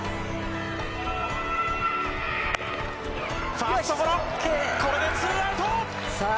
ファーストゴロこれで２アウト！